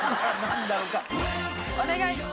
お願い！